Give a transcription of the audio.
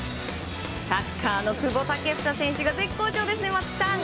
サッカーの久保建英選手が絶好調です、松木さん。